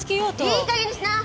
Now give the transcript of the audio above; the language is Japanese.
いいかげんにしな！